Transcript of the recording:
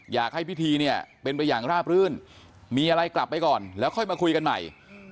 อยากให้พิธีเนี่ยเป็นไปอย่างราบรื่นมีอะไรกลับไปก่อนแล้วค่อยมาคุยกันใหม่